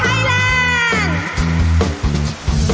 โปรดติดตามตอนต่อไป